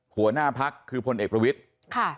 หัวหน้าพักคือพลเอกประวิทย์ค่ะ